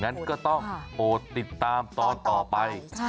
งั้นก็ต้องโอดติดตามตอนต่อไป